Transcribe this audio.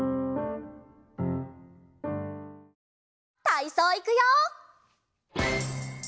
たいそういくよ！